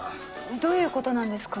どういうことなんですか？